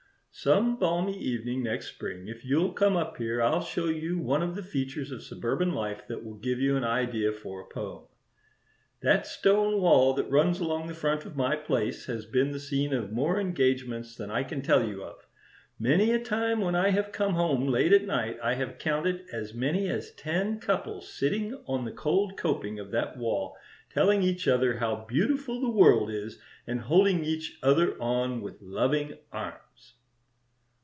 "Some balmy evening next spring, if you'll come up here I'll show you one of the features of suburban life that will give you an idea for a poem. That stone wall that runs along the front of my place has been the scene of more engagements than I can tell you of. Many a time when I have come home late at night I have counted as many as ten couples sitting on the cold coping of that wall telling each other how beautiful the world is, and holding each other on with loving arms."